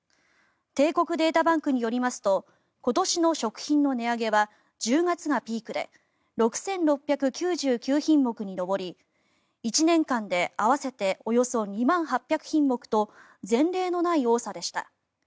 帝国データバンクによりますと今年の食品の値上げは１０月がピークで６６９９品目に上り１年間で合わせておよそ２万８００品目と前例のない多さでした。